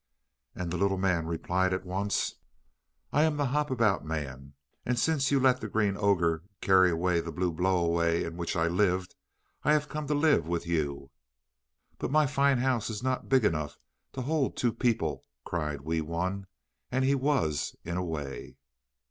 And the little man replied at once: "I am the Hop about Man, and since you have let the Green Ogre carry away the blue blow away in which I lived, I have come to live with you." "But my fine house is not big enough to hold two people," cried Wee Wun, and he was in a way.